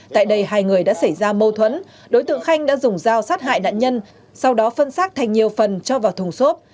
tại đây hai người đã xảy ra mâu thuẫn đối tượng khanh đã dùng dao sát hại nạn nhân sau đó phân xác thành nhiều phần cho vào thùng xốp